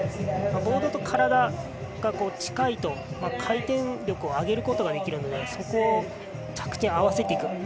ボードと体が近いと回転力を上げることができるのでそこを着地に合わせていく。